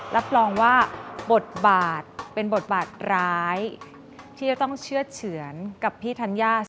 รับรองว่าบทบาทเป็นบทบาทร้ายที่จะต้องเชื่อดเฉือนกับพี่ธัญญา